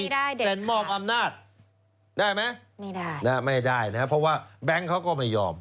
ไม่ได้เด็กค่ะแสดงมอบอำนาจได้ไหมไม่ได้นะครับไม่ได้นะครับเพราะว่าแบงค์เขาก็ไม่ยอม